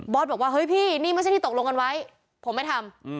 บอกว่าเฮ้ยพี่นี่ไม่ใช่ที่ตกลงกันไว้ผมไม่ทำ